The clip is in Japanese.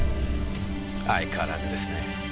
相変わらずですね。